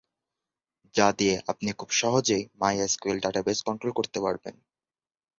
যা দিয়ে আপনি খুব সহজেই মাইএসকিউএল ডাটাবেজ কন্ট্রোল করতে পারবেন।